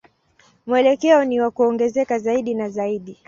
Mwelekeo ni wa kuongezeka zaidi na zaidi.